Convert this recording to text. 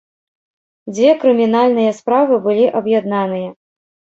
Дзве крымінальныя справы былі аб'яднаныя.